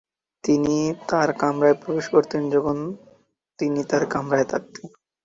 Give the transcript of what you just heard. তিনি তার কামরায় প্রবেশ করতেন যখন তিনি তার কামরায় থাকতেন।